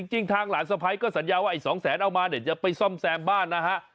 จริงทางหลานสะพ้ายก็สัญญาว่าไอ้๒แสนเอามาเดี๋ยวจะไปซ่อมแซมบ้านนะฮะ